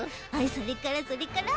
それからそれから。